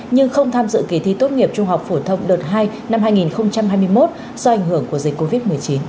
nhưng không tham dự kỳ thi tốt nghiệp trung học phổ thông đợt hai năm hai nghìn hai mươi một do ảnh hưởng của dịch covid một mươi chín